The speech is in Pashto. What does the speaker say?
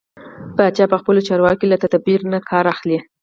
پاچا په خپلو چارو کې له تدبېره کار نه اخلي.